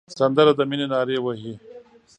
سندره د مینې نارې وهي